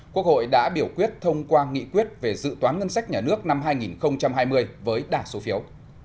quốc hội đã biểu quyết thông qua nghị quyết về dự toán ngân sách nhà nước năm hai nghìn hai mươi với đả số phiếu